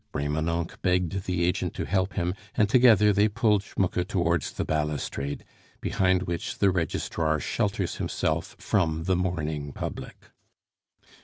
Remonencq begged the agent to help him, and together they pulled Schmucke towards the balustrade, behind which the registrar shelters himself from the mourning public.